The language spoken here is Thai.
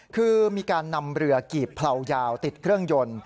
คือมีการนำเรือกีบเลายาวติดเครื่องยนต์